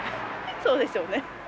そうでしょうね。